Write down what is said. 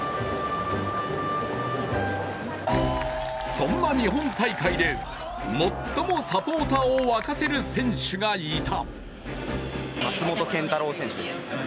そんな日本大会で最もサポーターをわかせる選手がいた。